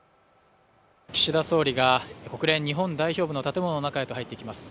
岸田総理が国連日本代表部の建物の中へと入っていきます。